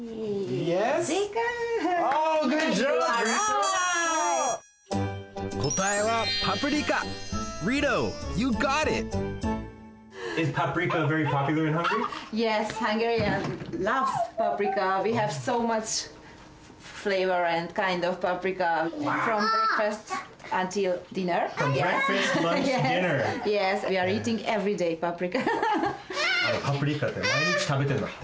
Ｙｅｓ．パプリカってまい日たべてるんだって。